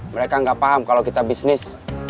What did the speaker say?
mereka nggak paham kalau kita bisnis